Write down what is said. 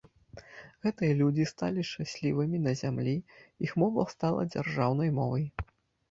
Гэтыя людзі сталі шчаслівымі на зямлі, іх мова стала дзяржаўнай мовай.